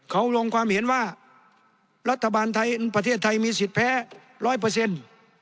เขาลงความเห็นว่ารัฐบาลไทยประเทศไทยมีสิทธิ์แพ้ร้อยเปอร์เซ็นต์